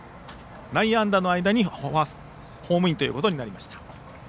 内野安打の間にホームインとなりました。